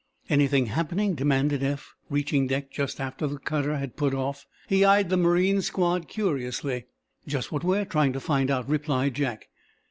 "Anything happening?" demanded Eph, reaching deck just after the cutter had put off. He eyed the marine squad curiously. "Just what we're trying to find out," replied Jack.